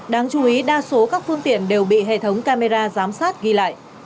đáng chú ý đa số các phương tiện đều bị hệ thống camera giám sát ghi lại